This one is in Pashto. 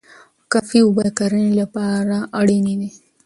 کافي اوبه د کرنې لپاره اړینې دي.